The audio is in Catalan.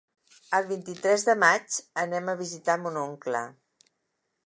El vint-i-tres de maig anem a visitar mon oncle.